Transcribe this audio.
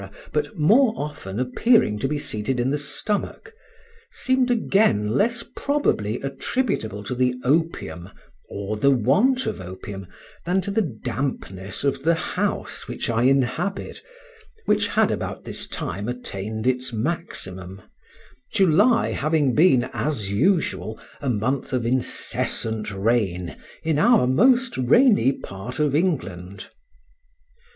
but more often appearing to be seated in the stomach)—seemed again less probably attributable to the opium, or the want of opium, than to the dampness of the house which I inhabit, which had about this time attained its maximum, July having been, as usual, a month of incessant rain in our most rainy part of England.